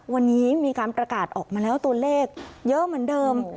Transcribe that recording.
วันนี้มีการประกาศออกมาแล้วตัวเลขเยอะเหมือนเดิม